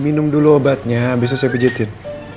minum dulu obatnya abis itu saya pijetin